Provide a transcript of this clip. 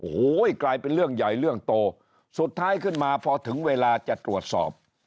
โอ้โหกลายเป็นเรื่องใหญ่เรื่องโตสุดท้ายขึ้นมาพอถึงเวลาจะตรวจสอบ